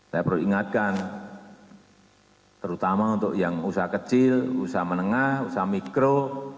saya perlu ingatkan terutama untuk yang usaha kecil usaha menengah usaha mikro